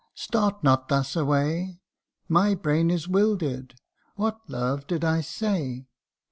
start not thus away My brain is 'wilder'd what, love, did I say